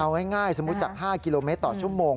เอาง่ายสมมุติจาก๕กิโลเมตรต่อชั่วโมง